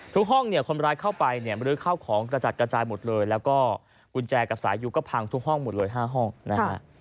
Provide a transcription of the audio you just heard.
ห้องเนี่ยคนร้ายเข้าไปเนี่ยมรื้อข้าวของกระจัดกระจายหมดเลยแล้วก็กุญแจกับสายยูก็พังทุกห้องหมดเลย๕ห้องนะฮะ